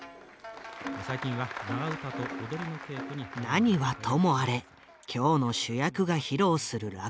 何はともあれ今日の主役が披露する落語を聞いてほしい。